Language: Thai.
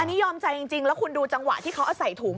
อันนี้ยอมใจจริงแล้วคุณดูจังหวะที่เขาเอาใส่ถุง